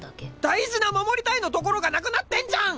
大事な「守りたい」のところがなくなってんじゃん！